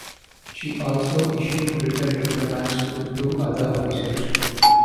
She also issued written reprimands to two other officers.